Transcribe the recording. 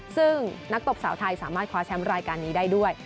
ซึ่งนักตบสาวไทยสามารถคว้าแชมป์รายการนี้ได้ด้วย